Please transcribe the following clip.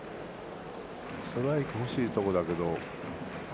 ストライク、欲しいとこだけど。